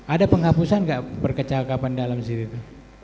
ada penghapusan enggak percakapan dalam situ